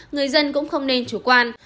người dân cũng không nên chủ quan